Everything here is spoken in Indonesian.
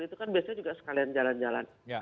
itu kan biasanya juga sekalian jalan jalan